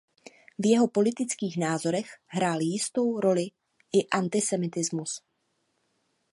V jeho politických názorech hrál jistou roli i antisemitismus.